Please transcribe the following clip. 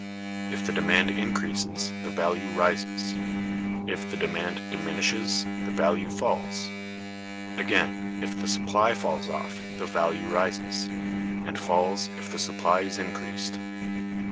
If the demand increases, the value rises; if the demand diminishes, the value falls; again, if the supply falls off, the value rises; and falls, if the supply is increased.